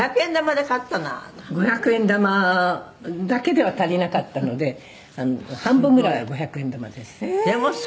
あなた」「五百円玉だけでは足りなかったので半分ぐらいは五百円玉です」